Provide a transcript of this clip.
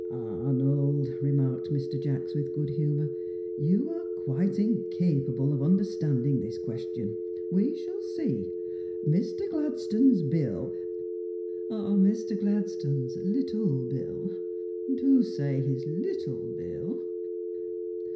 "Arnold," remarked Mr. Jacks, with good humour, "you are quite incapable of understanding this question. We shall see. Mr. Gladstone's Bill " "Mr. Gladstone's little Bill do say his little Bill."